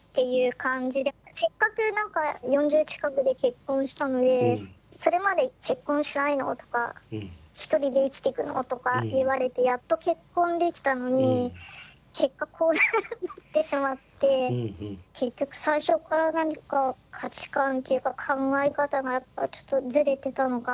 感じでせっかく何か４０近くで結婚したのでそれまで「結婚しないの？」とか「１人で生きていくの？」とか言われてやっと結婚できたのに結果こうなってしまって結局最初から何か価値観っていうか考え方がやっぱちょっとずれてたのかな。